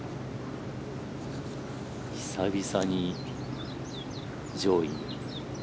久々に上位に。